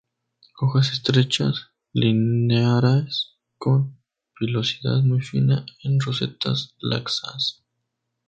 Hojas estrechas, lineares, con pilosidad muy fina, en rosetas laxas.